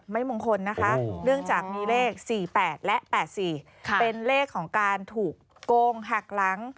มงคลนะคะเนื่องจากมีเลข๔๘และ๘๔เป็นเลขของการถูกโกงหักหลัง